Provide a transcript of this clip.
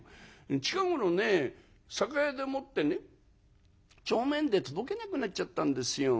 近頃ね酒屋でもってね帳面で届けなくなっちゃったんですよ。